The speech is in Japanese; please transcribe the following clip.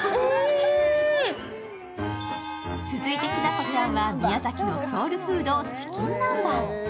続いてきなこちゃんは宮崎のソウルフード、チキン南蛮。